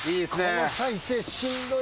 この体勢しんどいわ。